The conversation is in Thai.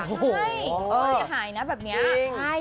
โอ้โฮอย่าหายนะแบบนี้ใช่จริง